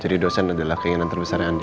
jadi dosen adalah keinginan terbesarnya andin